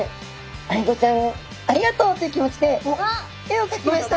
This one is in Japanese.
アイゴちゃんありがとうという気持ちで絵をかきました。